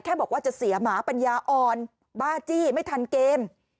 บอกว่าจะเสียหมาปัญญาอ่อนบ้าจี้ไม่ทันเกม